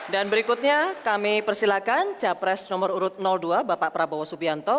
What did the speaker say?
dan berikutnya kami persilakan capres nomor urut dua bapak prabowo subianto